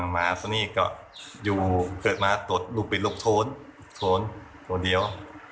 หมาตัวนี้ก็เกิดมาตกลูกเป็นลูกโทนอีกโทนตัวเดียว